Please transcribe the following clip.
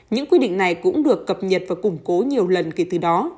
những quy định này cũng được cập nhật và củng cố nhiều lần kể từ đó